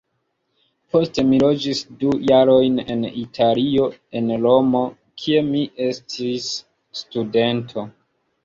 Poste mi loĝis du jarojn en Italio, en Romo, kie mi estis studento.